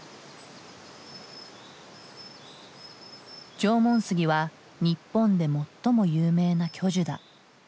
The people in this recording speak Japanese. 縄文杉は日本で最も有名な巨樹だ。